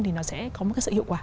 thì nó sẽ có một cái sự hiệu quả